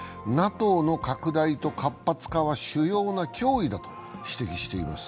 ＮＡＴＯの拡大と活発化は主要な脅威だと指摘しています。